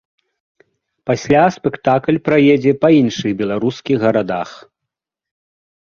Пасля спектакль праедзе па іншых беларускіх гарадах.